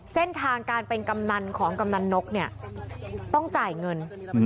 เส้นทางการเป็นกำนันของกำนันนกเนี่ยต้องจ่ายเงิน